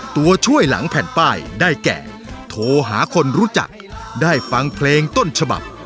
ตัวช่วยหลังแผ่นป้ายได้แก่โทรหาคนรู้จักได้ฟังเพลงต้นฉบับ